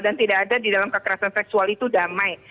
dan tidak ada di dalam kekerasan seksual itu damai